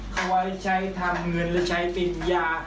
เขาไว้ใช้ทำเงินและใช้ติดยา